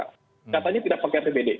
katanya tidak pakai pbd